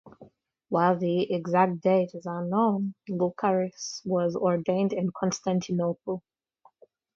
While the exact date is unknown, Lucaris was ordained in Constantinople.